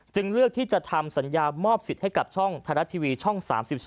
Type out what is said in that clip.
เลือกที่จะทำสัญญามอบสิทธิ์ให้กับช่องไทยรัฐทีวีช่อง๓๒